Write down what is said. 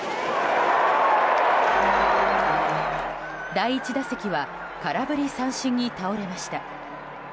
第１打席は空振り三振に倒れました。